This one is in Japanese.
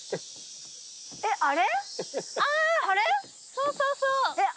そうそうそう。